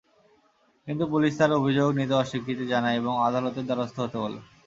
কিন্তু পুলিশ তাঁর অভিযোগ নিতে অস্বীকৃতি জানায় এবং আদালতের দ্বারস্থ হতে বলে।